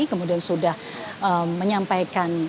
kemudian sudah menyampaikan